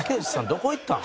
どこ行ったん？